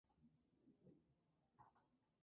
Era cuñado del patriota Juan Martín de Pueyrredón.